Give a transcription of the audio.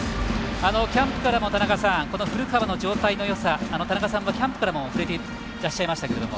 キャンプからも古川の状態のよさ田中さんはキャンプからも触れてらっしゃいましたけど。